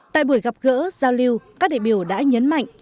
tại buổi gặp gỡ giao lưu các đại biểu đã nhấn mạnh